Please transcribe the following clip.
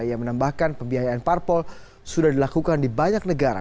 yang menambahkan pembiayaan parpol sudah dilakukan di banyak negara